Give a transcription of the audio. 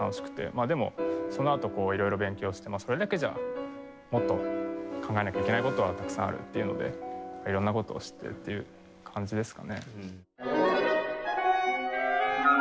でもそのあと色々勉強してそれだけじゃもっと考えなきゃいけない事はたくさんあるっていうので色んな事を知ってっていう感じですかね。